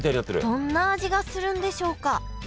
どんな味がするんでしょうか？